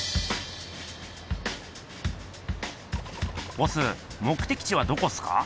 ボス目的地はどこっすか？